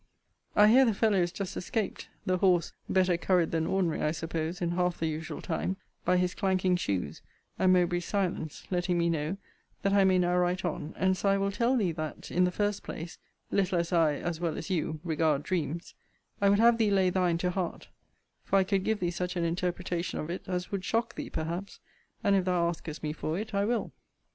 I hear the fellow is just escaped, the horse, (better curried than ordinary, I suppose, in half the usual time,) by his clanking shoes, and Mowbray's silence, letting me know, that I may now write on: and so, I will tell thee that, in the first place, (little as I, as well as you, regard dreams,) I would have thee lay thine to heart; for I could give thee such an interpretation of it, as would shock thee, perhaps; and if thou askest me for it, I will.